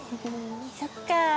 そっか。